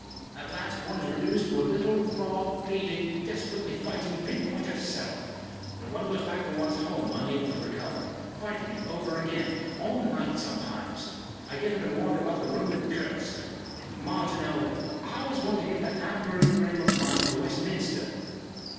At last one is reduced to a little, raw, bleeding, desperately fighting, pin point of SELF.... One goes back to one's home unable to recover. Fighting it over again. All night sometimes.... I get up and walk about the room and curse.... Martineau, how is one to get the Avebury frame of mind to Westminster?"